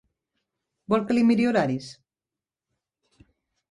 Vol que li miri horaris?